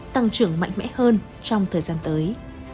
tăng trưởng mạnh mẽ hơn trong thời gian tới